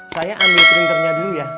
saya ambil printernya dulu ya